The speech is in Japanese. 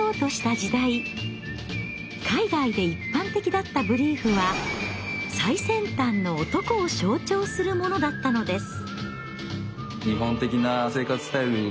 海外で一般的だったブリーフは最先端の男を象徴するものだったのです。